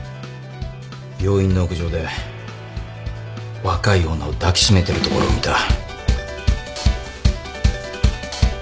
病院の屋上で若い女を抱き締めてるところを見た